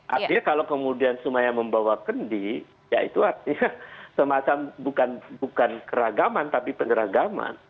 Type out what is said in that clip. artinya kalau kemudian semuanya membawa kendi ya itu artinya semacam bukan keragaman tapi penyeragaman